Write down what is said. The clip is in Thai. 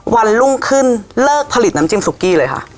วันรุ่งขึ้นเลิกผลิตน้ำจิ้มซุกี้เลยค่ะ